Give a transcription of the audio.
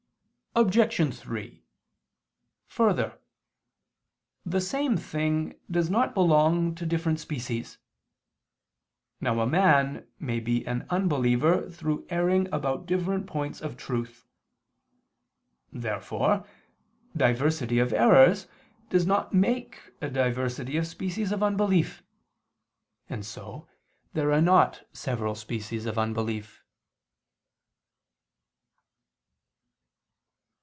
Obj. 3: Further, the same thing does not belong to different species. Now a man may be an unbeliever through erring about different points of truth. Therefore diversity of errors does not make a diversity of species of unbelief: and so there are not several species of unbelief.